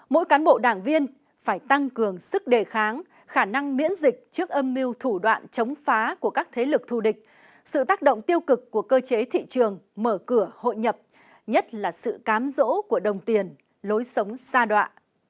mỗi cán bộ đảng viên phải tăng cường sức đề kháng khả năng miễn dịch trước âm mưu thủ đoạn chống phá của các thế lực thù địch sự tác động tiêu cực của cơ chế thị trường mở cửa hội nhập nhất là sự cám dỗ của đồng tiền lối sống xa đoạ